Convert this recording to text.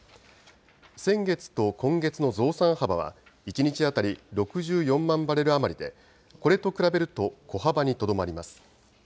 先月と今月の増産幅は１日当たり６４万バレル余りでこれと比べると小幅にとどまります。